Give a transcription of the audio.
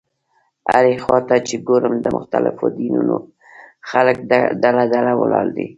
هرې خوا ته چې ګورم د مختلفو دینونو خلک ډله ډله ولاړ دي.